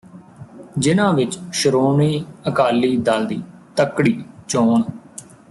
ਜਿਨ੍ਹਾਂ ਵਿਚ ਸ਼੍ਰੋਮਣੀ ਅਕਾਲੀ ਦਲ ਦੀ ਤੱਕੜੀ ਚੋਣ